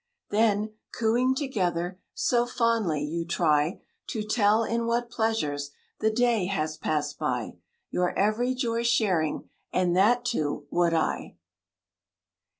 Then, cooing together So fondly, you try To tell in what pleasures The day has passed by, Your every joy sharing; And that, too, would I!